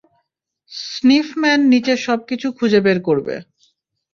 Sniffman নিচের সবকিছু খুঁজে বের করবে।